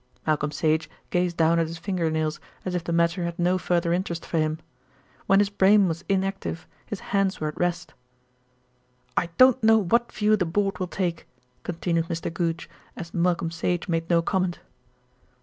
Malcolm Sage gazed down at his finger nails, as if the matter had no further interest for him. When his brain was inactive, his hands were at rest. "I don't know what view the Board will take," continued Mr. Goodge, as Malcolm Sage made no comment.